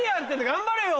頑張れよ！